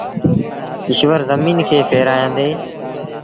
ايٚشور زميݩ کي ڦآڙيآندي۔